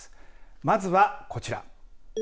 まずはこちら。